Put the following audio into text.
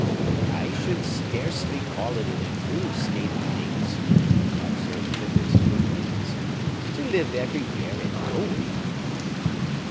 "I should scarcely call it an improved state of things," observed Clifford's new acquaintance, "to live everywhere and nowhere!"